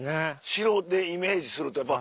城でイメージするとやっぱ。